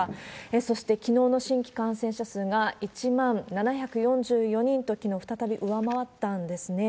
そしてきのうの新規感染者数が１万７４４人と、きのう再び上回ったんですね。